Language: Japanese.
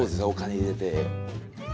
お金入れて。